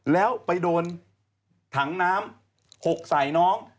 แล้วไปโดนถังน้ำหกใส่น้อง